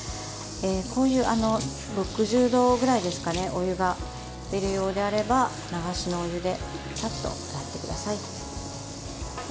こういう、６０度ぐらいですかねお湯が出るようであれば流しのお湯でさっと洗ってください。